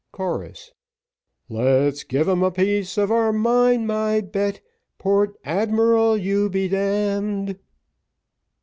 Chorus. Let's give him a piece of our mind, my Bet, Port Admiral, you be d d.